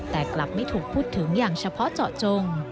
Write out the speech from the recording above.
แต่กลับไม่ถูกพูดถึงอย่างเฉพาะเจาะจง